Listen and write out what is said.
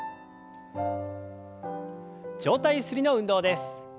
上体ゆすりの運動です。